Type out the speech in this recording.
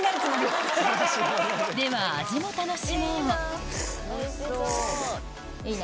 では味も楽しもういいね。